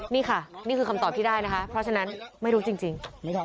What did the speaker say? นี่ค่ะนี่คือคำตอบที่ได้นะคะเพราะฉะนั้นไม่รู้จริง